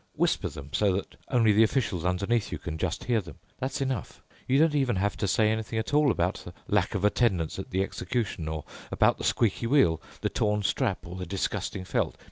Whisper them so that only the officials underneath you can just hear them. That's enough. You don't even have to say anything at all about the lack of attendance at the execution or about the squeaky wheel, the torn strap, the disgusting felt.